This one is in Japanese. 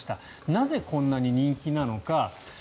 なぜ、こんなに人気なのか。